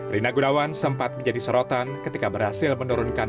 rina gunawan sempat menjadi sorotan ketika berhasil menurunkan